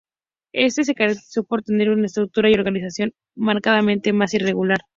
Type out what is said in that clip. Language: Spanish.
Este se caracterizó por tener una estructura y organización marcadamente más irregular.